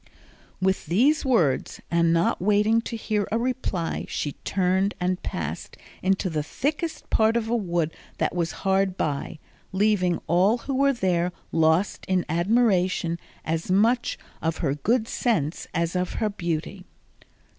With these words, and not waiting to hear a reply, she turned and passed into the thickest part of a wood that was hard by, leaving all who were there lost in admiration as much of her good sense as of her beauty.